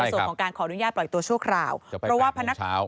ตอนส่วนของการขออนุญาตปล่อยจากตัวชั่วคราว